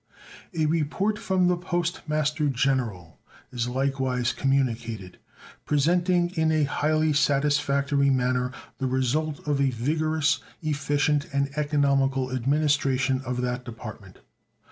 A report from the Post Master General is likewise communicated, presenting in a highly satisfactory manner the result of a vigorous, efficient, and economical administration of that Department.